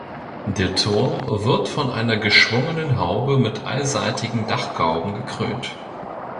Der Turm wird von einer geschwungenen Haube mit allseitigen Dachgauben gekrönt.